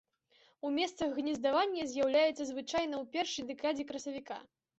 У месцах гнездавання з'яўляецца звычайна ў першай дэкадзе красавіка.